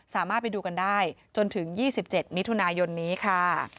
สามารถไปดูกันได้จนถึง๒๗มิถุนายนนี้ค่ะ